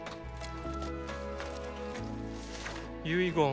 「遺言。